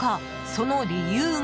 その理由が。